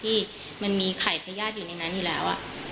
ที่มันมีไข่พญาติอยู่ในนั้นอยู่แล้ว